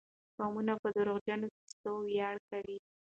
قومونه په دروغجنو کيسو وياړ کوي.